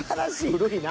古いな。